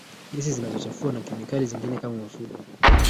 gesi zinazochafua na kemikali zingine kama mafuta